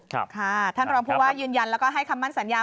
ท่านรองผู้ว่ายืนยันแล้วก็ให้คำมั่นสัญญา